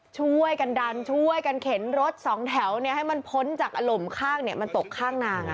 ช่วยกันดันช่วยกันเข็นรถสองแถวให้มันพ้นจากอล่มข้างมันตกข้างนาง